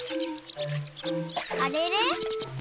あれれ？